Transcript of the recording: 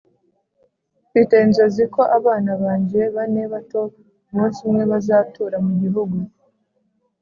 mfite inzozi ko abana banjye bane bato umunsi umwe bazatura mugihugu